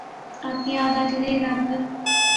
آپ کی یاد آتی رہی رات بھر